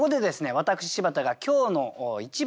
私柴田が今日の一番の学び